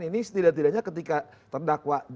ini setidak tidaknya ketika terdakwa